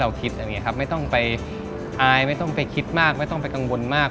ตามที่เราคิดไม่ต้องไปอายไม่ต้องไปคิดมากไม่ต้องไปกังวลมาก